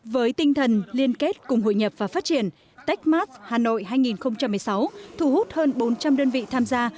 với tinh thần liên kết cùng hội nhập và phát triển techmart hà nội hai nghìn một mươi sáu thu hút hơn bốn trăm linh đơn vị tham gia